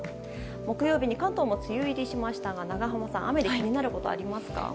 木曜日に関東も梅雨入りしましたが長濱さん雨で気になることありますか？